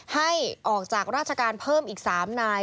ให้ออกจากราชการเพิ่มอีก๓นาย